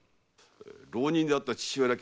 浪人であった父親亡き